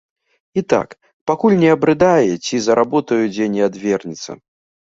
І так, пакуль не абрыдае ці за работаю дзе не адвернецца.